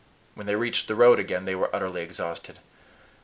When they reached the road again, they were utterly exhausted.